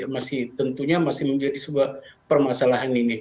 masih tentunya masih menjadi sebuah permasalahan ini